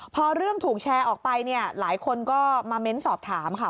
พอเรื่องถูกแชร์ออกไปเนี่ยหลายคนก็มาเม้นสอบถามค่ะ